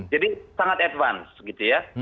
jadi sangat advance gitu ya